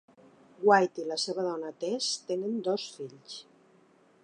White i la seva dona, Tess, tenen dos fills.